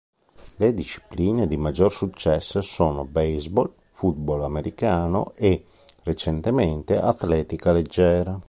Le discipline di maggior successo sono baseball, football americano e, recentemente, atletica leggera.